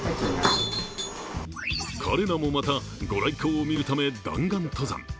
彼らもまた御来光を見るため弾丸登山。